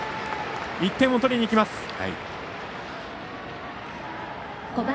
１点を取りにいきます。